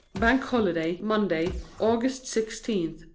Bank Holiday, Monday, August 6th.